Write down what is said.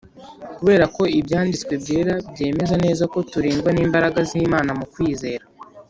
Kubera ko Ibyanditswe Byera byemeza neza ko turindwa n'imbaraga z'Imana mu kwizera.